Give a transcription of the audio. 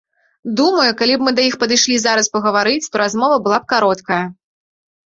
Думаю, калі б мы да іх падышлі зараз пагаварыць, то размова была б кароткая.